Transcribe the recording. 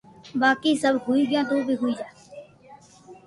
باڪي سب ھوئي گيو تو بي ھوئي جا